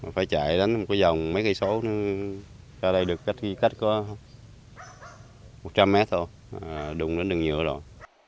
phải chạy đến một cái dòng mấy kỳ số ra đây được cách có một trăm linh mét thôi đùng đến đường nhựa rồi